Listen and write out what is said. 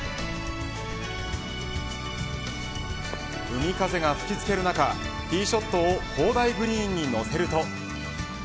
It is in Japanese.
海風が吹き付ける中ティーショットを砲台グリーンに乗せると。